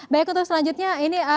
baik untuk selanjutnya ini